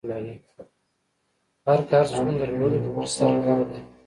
غر که هر څونده لوړ یی خو پر سر لاره لری